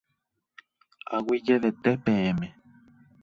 Aguyjevete peẽme.